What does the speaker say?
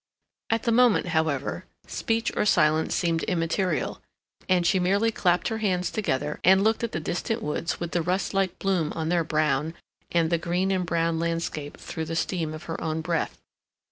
At the moment, however, speech or silence seemed immaterial, and she merely clapped her hands together, and looked at the distant woods with the rust like bloom on their brown, and the green and blue landscape through the steam of her own breath.